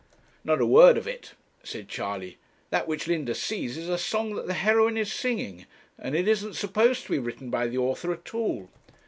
'Not a word of it,' said Charley; 'that which Linda sees is a song that the heroine is singing, and it isn't supposed to be written by the author at all.'